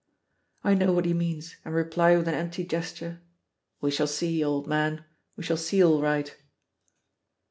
I know what he means, and reply with an empty gesture, "We shall see, old man, we shall see all right!"